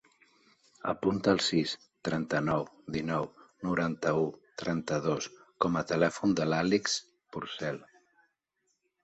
Apunta el sis, trenta-nou, dinou, noranta-u, trenta-dos com a telèfon de l'Alix Porcel.